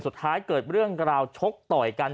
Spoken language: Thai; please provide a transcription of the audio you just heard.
สุดท้ายเกิดเรื่องการชกต่อยกัน